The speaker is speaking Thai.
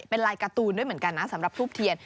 เป็นลายการ์ตูนด้วยเหมือนกันนะสำหรับทูบเทียน